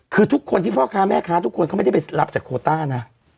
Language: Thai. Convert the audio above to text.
คือทุกคนที่พ่อค้าแม่ค้าทุกคนเขาไม่ได้ไปรับจากโคต้านะ